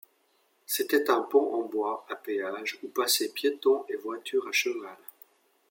C'était un pont en bois, à péage, où passaient piétons et voitures à cheval.